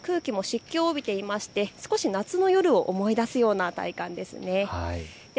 空気も湿気を帯びていまして少し夏の夜を思い出すような体感です。